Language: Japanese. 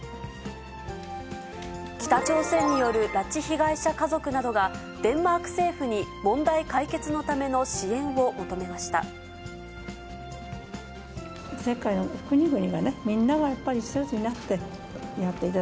北朝鮮による拉致被害者家族などが、デンマーク政府に問題解決のための支援を求めました。